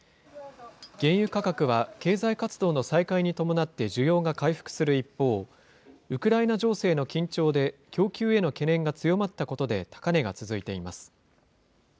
原油価格は経済活動の再開に伴って需要が回復する一方、ウクライナ情勢の緊張で、供給への懸念が強まったことで、高値が続いています。